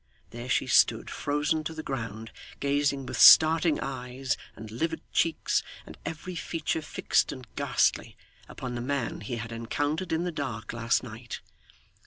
There she stood, frozen to the ground, gazing with starting eyes, and livid cheeks, and every feature fixed and ghastly, upon the man he had encountered in the dark last night.